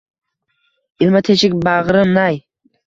Ilma-teshik bagʼrim — nay.